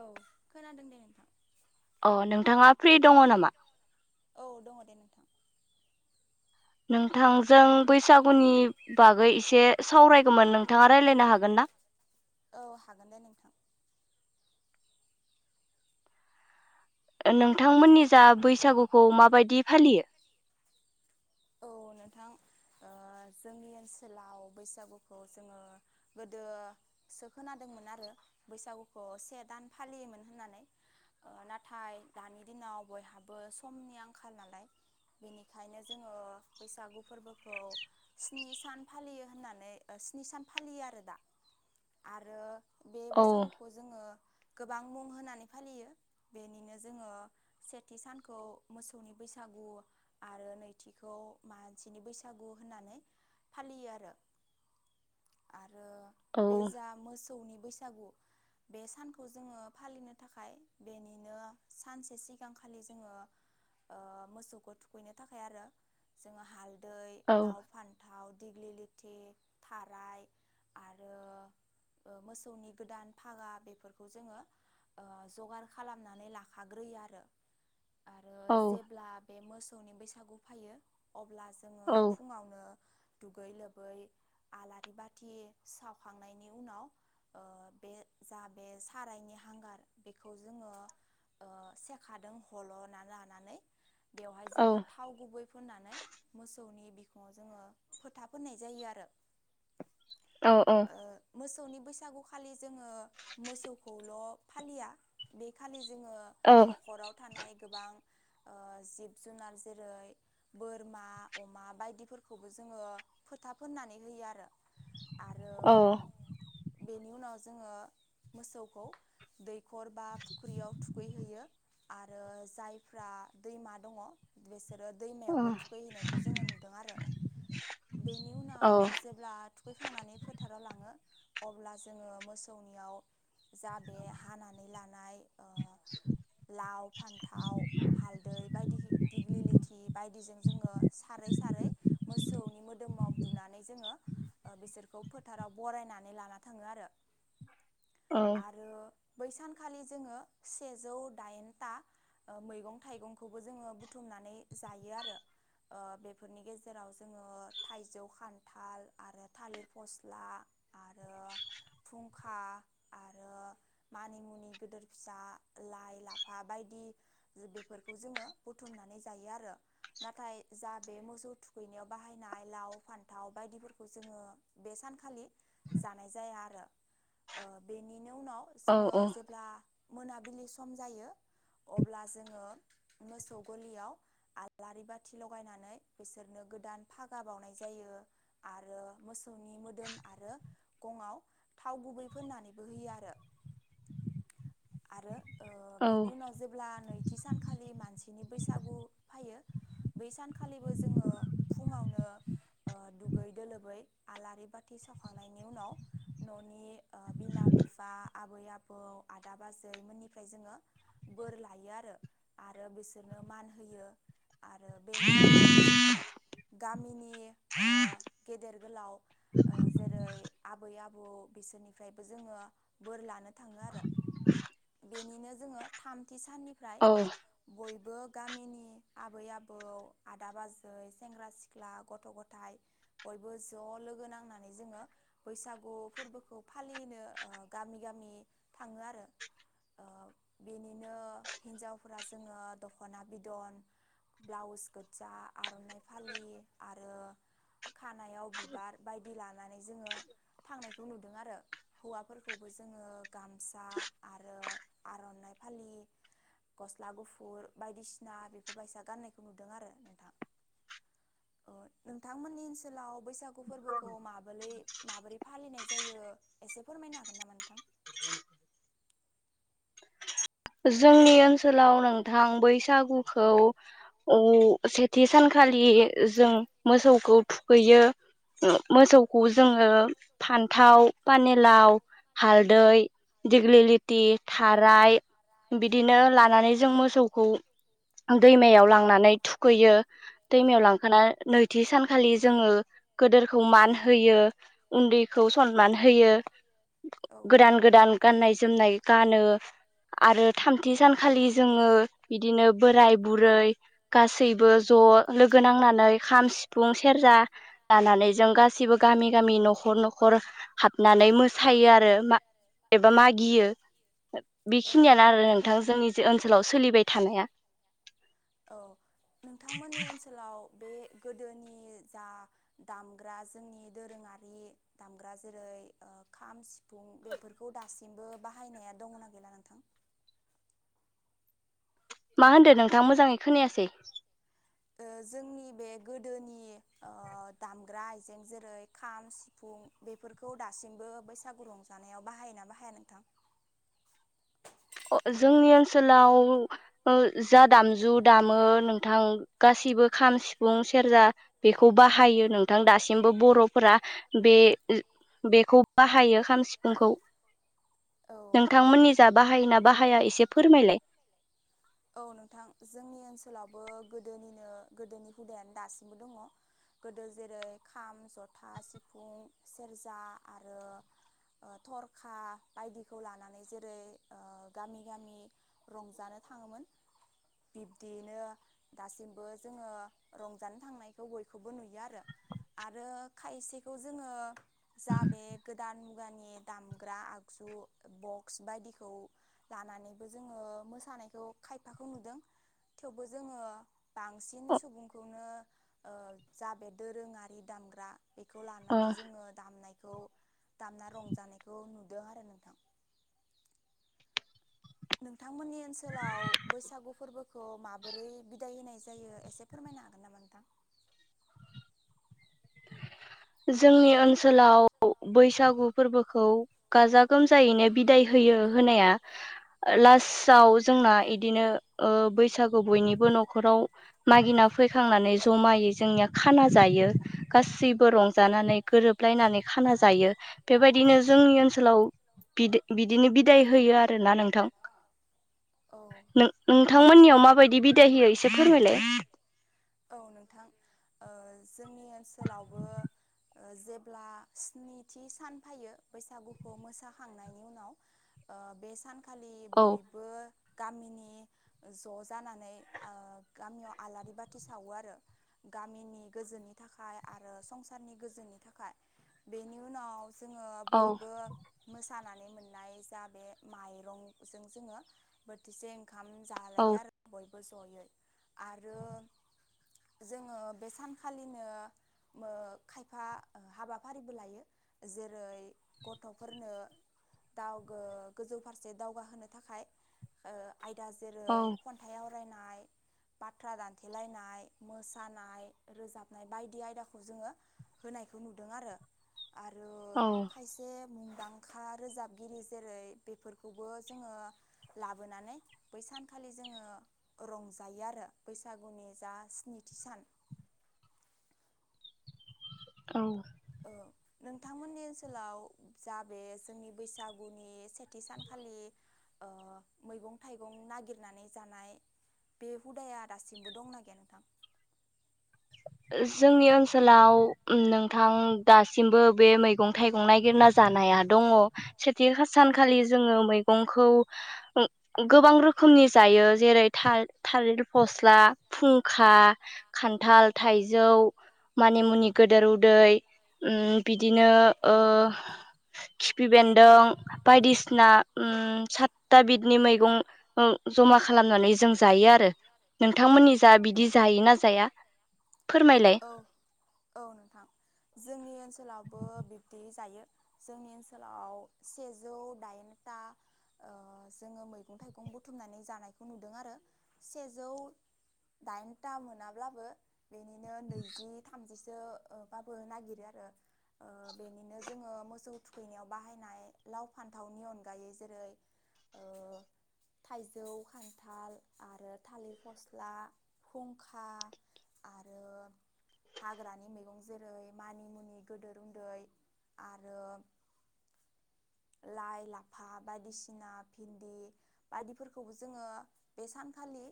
औ खोनादों दे नोंथां औ नोंथाङा फ्रि दङ नामा? नोंथां जों बैसागुनि बागै एसे सावरायगौमोन नोंथाङा रायलायनो हागोन ना? [inaudible] हागोन दे नोंथां नोंथांमोननि जा बैसागुखौ माबायदि फालियो नोंथां ओ जोंनि ओनसोलाव बैसागुखौ जोङो गोदो सो खोनादोंमोन आरो बैसागुखौ से दान फालियोमोन होननानै औ नाथाय दानि दिनाव बयहाबो समनि आंखाल नालाय बेनिखायनो [inaudible] बैसागु फोरबोखौ स्नि सान फालियो होननानै ओ स्नि सान फालियो आरो दा आरो बे बैसागुखौ जोङो गोबां मुं होनानै फालियो बेनिनो जोङो सेथि सानखौ मोसौनि बैसा गु आरो नै थिखौ मानसिनि बैसागु होननानै फालियो आरो आ रो बे जा मोसौनि बैसागु [inaudible] बे सानखौ जोङो फालिनो थाखाय बेनिनो सानसे सिगांखालि जोङो ओ मोसौखौ थुखैनो थाखाय आरो जोङो हालदै लाव फान्थाव देग्लि लि थि थाराय आरो ओ मोसौनि गोदान फागा बेफोरखौ जोङो ओ जगार खालामनानै लाखाग्रोयो आरो आरो जेब्ला बे मोसौनि बैसागु फायो अब्ला जोङो फुङावनो दुगै लोबै आलारि बाथि सावखांनायनि उनाव ओ बे जा बे सारायनि हांगार बेखौ जोङो ओ सेखादों हल'ना लानानै बेवहाय जोङो थाव गुबै फोननानै मोसौनि बिखोङाव जोङो फोथा फोननाय जायो आरो औ औ बैसागु खालि जोङो मोसौखौल' फालिया बेखालि जोङो न'खराव थानाय गोबां ओ जिब जुनार जेरै बोर आरो बेनि उनाव जोङो मोसौखौ दै दैखर बा फुख्रियाव थुखैहैयो आरो जायफ्रा आरो दैमायावबो थुखैहैनायखो जोङो नुदों आरो बेनि उनाव जेब्ला थुखैखांनानै फोथाराव लाङो अब्ला जोङो मोसौनियाव जा बे हानानै लानाय ओ लाव फान्थाव हालदै बायदि दिग्लि लि बायदिजों जोङो सारै सारै मोसौनि मोदोमाव बुनानै जोङो ओ बिसोरखौ फोथाराव बरायनानै लाना थाङो आरो अ आरो बैसानखालि जोङो सेजौ दाइनथा ओ मैगं थाइगंखौबो जोङो बुथुमनानै जायो आरो ओ बेफोरनि गेजेराव जोङो थाइजौ खान्थाल आरो थालिर फस्ला आरो फुंखा आरो मानिमुनि गिदिर फिसा लाइ लाफा बायदि बेफोरखौ जोङो बुथुमनानै जायो आरो नाथाय जा बे मोसौ थुखैनायाव बाहायनाय लाव फान्थाव बायदिफोरखौ जोङो बे सानखालि जानाय जाया आरो ओ बेनि बेनि उनाव जोङो जेब्ला मोनाबिलि सम जायो अब्ला जोङो मोसौ गलियाव [unintelligible] आलारि बाथि ल'गायनानै बिसोरनो गोदान फागा बाउनाय जायो आरो मोसौनि मोदोम आरो गंआव थाव गुबै फोननानैबो होयो आरो [unintelligible] आरो ओ बेनि उनाव जेब्ला नैथि सानखालि मानसिनि बैसागु फायो बै सानखालिबो जोङो फुङावनो ओ दुगै दोलोबै आलारि बाथि सावखांनायनि उनाव न'नि ओ बिमा बिफा आबै आबौ आदा बाजै मोननिफ्राय जोङो बोर लायो आरो -आरो बिसोरनो मान होयो आरो बेनि अनगायैबो जों गामिनि ओ गेदेर गोलाव ओ जेरै आबै आबौ बिसोरनिफ्रायबो जोङो बोर लानो थाङो आरो बेनिनो जोङो थामथि साननिफ्राय बयबो गामिनि आबै आबौ आदा बाजै सेंग्रा सिख्ला गथ' गथाय बयबो ज' लो लोगो नांनानै जोङो बैसागु फोरबोखौ फालिनो ओ गामि गामि थाङो आ [unintelligible] ओ बेनिनो हिन्जावफोरा जोङो दखना बिदन ब्लाउस गोज्जा आर'नाइ फालि आरो खानायाव बिबार बायदि लानानै जोङो थांनायखौ नुदों आरो हौवाफोरखौबो जोङो गामसा आरो आर'नाइ [unintelligible] गस्ला गुफुर बायदिसिना बेफोरबायसा गाननायखौ नुदों आरो नोंथां [unintelligible] ओ नोंथांमोननि ओनसोलाव बैसागु फोरबोखौ माबोलै माबोरै फालिनाय जायो एसे फोरमायनो हागोन ना मा नोंथां [unintelligible] जोंनि ओनसोलाव नोंथां बैसागुखौ ओ सेथि सानखालि जों मोसौखौ थुखैयो। मोसौखौ जोङो फान्थाव पानि लाव हालदै दिग्लि लिति थाराय बिदिनो लानानै जों मोसौखौ। दैमायाव लांनानै थुखैयो दैमायाव लांखा नैथि सानखालि जोङो गोदोरखौ मान होयो उन्दैखौ सनमान होयो। गोदान गोदान गाननाय जोमनाय गानो। आरो थामथि सानखालि जोङो बिदिनो बोराय बुरै गासैबो ज' लोगो नांनानै खाम सिफुं सेरजा लानानै जों गासिबो गामि गामि न'खर न'ख र हाबनानै मोसायो आरो एबा मागियो। खिनियानो आरो नोंथां जोंनि जे ओनसोलाव सोलिबाय थानाया। औ नोंथांमोननि ओनसोलाव। [inaudible] गोदोनि जा दामग्रा जोंनि दोरोङारि दामग्रा जेरै ओ खाम सिफुं बेफोरखौ दासिमबो बाहायनाया दंना गैला नों मा होनदो नोंथां मोजाङै खोनायासै। जोंनि बे गोदोनि ओ दामग्रा आइजें जेरै खाम सिफुं बे। फोरखौ दासिमबो बैसागु रंजानायाव बाहायोना बाहाया नोंथां। [unintelligible] जोंनि ओनसोलाव जा दामजु दामो नोंथां गा गासिबो खाम सिफुं सेरजा बेखौ बाहायो नोंथां दासिमबो बर'फोरा बे बेखौ बाहायो खाम सिफुंखौ नोंथांमोननि जा बाहायो ना? बाहाया एसे फोरमायलाय ओनसोलावबो गोदोनिनो गोदोनि हुदायानो दासिमबो दङ। गोदो जेरै खाम जथा सिफुं सेरजा आरो। [unintelligible] थरखा बायदिखौ लानानै जेरै ओ गामि गामि रंजानो थाङो। [inaudible] बिब्दियैनो दासिमबो जोङो रंजानो थांनायखौ बयखौबो नुयो आरो। आरो खायसेखौ जोङो जा बेे। गोदान मुगानि दामग्रा आगजु बक्स बायदिखौ लानानैबो जोङो। मोसानायखौ खायफाखौ नुदों। थेवबो जोङो बांसिन सुबुंखौनो ओ जा बे दोरोङारि दामग्रा बेखौ लानानै जोङो दामनायखौ। दामना रंजानायखौ नुदों आरो नोंथां नोंथांमोननि ओनसोलाव बैसागु फोरबोखौ माबोरै बिदाय होनाय जायो एसे फोरमाय। नोहागोन नामा नोंथां। [inaudible] जोंनि ओनसोलाव बैसागु फोरबोखौ गाजा गोमजायैनो बिदाय होयो होनाया। लासआव जोंना इदिनो ओ बैसागु बयनिबो न'खराव मागिना फैखां नानै जमायै जोंनिया खाना जायो गासैबो रंजानानै गोरोबलायनानै खाना जायो। बेबायदिनो जोंनि ओनसोलाव बिदि- बिदिनो बिदाय होयो आरो ना नोंथां उम उम नोंथांमोननियाव माबायदि बिदाय होयो एसे फोरमायलाय। जोंनि ओनसोलावबो जेब्ला स्निथि सान फैयो बैसागु मोसाखांनायनि उनाव ओ बे सान। खालि बयबो गामिनि ज' जानानै ओ गामियाव आलारि बाथि सावो आरो गामिनि गोजोननि थाखाय आरो संसारनि गोजोननि थाखाय बेनि उनाव जोङो बयबो मो सानानै मोननाय जा बे माइरंजों जोङो बोथिसे ओंखाम जालायो आरो बयबो जयै आरो जोङो बे सानखालिनो खायफा हाबाफारिबो लायो जेरै गथ'फोरनो दावगो गोजौ फारसे दावगाहोनो थाखाय ओ आयदा। जेरै खन्थाय आव [inaudible] बाथ्रा दानथेलायनाय मोसानाय रोजाबनाय बायदि आयदाखौ जोङो होन नाय नुदों आरो आरो खायसे मुंदांखा रोजाबगिरि जेरै बेफोरखौबो जोङो लाबोनानै बै सानखालि जोङो रंजायो आरो बैसागुनि जा स्निथि सान [inaudible] औ औ नोंथांमोननि ओनसोलाव जा बे जोंनि बैसागुनि से थि सानखालि मैगं-थाइगं नागिरनानै जानाय बे हुदाया दासिमबो दंना गैया नोंथां [inaudible] जोंनि ओनसोलाव नोंथां दासिमबो बे मैगं-थाइगं नायगिर ना जानाया दंङो सेथि सानखालि जोंङो मैगंखो गोबां रोखोमनि जा यो जेरै थालिर फस्ला, फुंखा खान्थाल थाइजौ मानि मुनि गोदेर उदै बिदिनो ओ खिफि बेन्दों बायदिसिना उम साथ दा बिदि मैगं ओं जमा खालामनानै जों जायो आरो नोंथांमोननि जा बिदि जायो ना जाया औ औ नोंथां जोंनि ओन सोलावबो बिब्दि जायो जोंनि ओनसोलाव सेजौ दाइनथा [inaudible] जोङो मैगं-थाइगं बुथुमनानै जानायखौ नुदों आरो सेजौ दाइनथा मोनाब्लाबो बेनिनो नैजि थामजि जोबाबो नागिरो आरो बेनिनो जोङो मोसौ थुखैनायाव बाहायनाय लाव, फान्थावनि अनगायै जेरै [inaudible] थाइजौ, खान्थाल आरो थालिर फस्ला, फुंखा [inaudible] हाग्रानि मैगं जेरै मानि मुनि गोदोर उन्दै आरो लाइ, लाफा बायदिसिना भिन्दि बायदिफोरखौबो जोङो बे सानखालि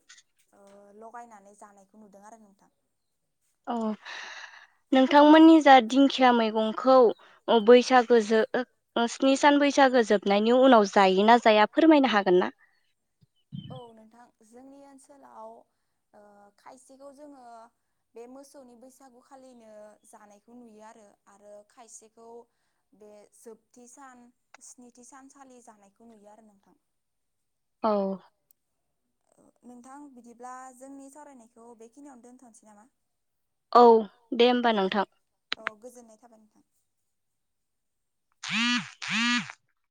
लगायनानै जानायखौ नुदों आरो नोंथां औ नोंथांमोननि जा दिंखिया मैगंखौ बैसागो जो स्नि सान बैसागो जोबनायनि उनाव जायो ना जाया फोरमायनो हागोन ना औ नोंथां जोंनि ओनसोलाव खायसेखौ जोङो बे मोसौनि बैसागु खालिनो जानायखौ नुयो आरो आरो खायसेखौ बे जोबथि सान स्निथि सानसालि जानायखौ नुयो आरो नोंथां औ नोंथां बिदिब्ला जोंनि सावरायनायखौ बेखिनियावनो दोनथ'नोसै नामा औ दे होमबा नोंथां। गोजोननाय थाबाय नोंथां। [unintelligible]